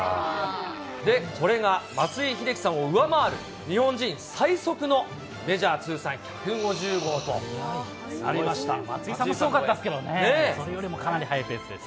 で、これが松井秀喜さんを上回る、日本人最速のメジャー通算１５０松井さんもすごかったですけどね、それよりもかなりハイペースです。